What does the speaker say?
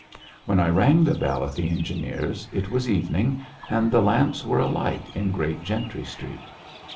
When I rang the bell at the engineer's, it was evening, and the lamps were alight in Great Gentry Street.